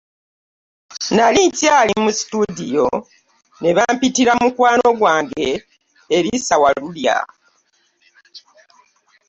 Nnali nkyali mu situdiyo ne bampitira mukwano gwange Erisa Walulya.